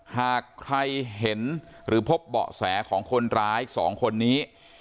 หากใครเห็นหรือพบเบาะแสของคนร้าย๒คนนี้